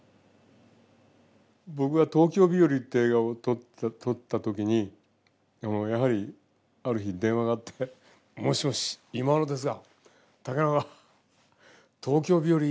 僕が「東京日和」って映画を撮った時にやはりある日電話があって「もしもし忌野ですが竹中『東京日和』お客さん入ってるらしいじゃねえか」。